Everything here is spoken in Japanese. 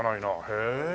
へえ。